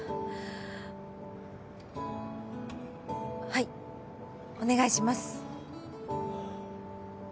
はいお願いします。